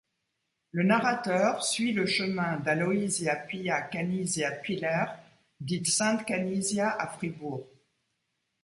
Le narrateur suit le chemin d’Aloysia Pia Canisia Piller, dite Sainte Canisia à Fribourg.